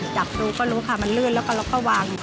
จับดูก็รู้ค่ะมันลื่นแล้วก็วาง